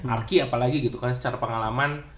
arki apalagi gitu kan secara pengalaman